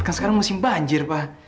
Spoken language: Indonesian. kan sekarang musim banjir pak